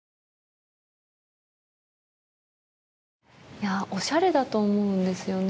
いやおしゃれだと思うんですよね